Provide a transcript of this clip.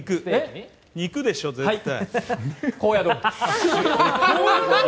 肉でしょ絶対。